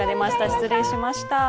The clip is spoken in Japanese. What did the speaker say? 失礼しました。